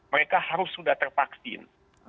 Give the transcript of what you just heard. mereka harus sudah tervaksin